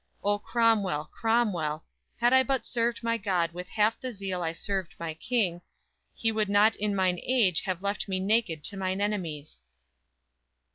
O, Cromwell, Cromwell, Had I but served my God with half the zeal I served my King, he would not in mine age Have left me naked to mine enemies!"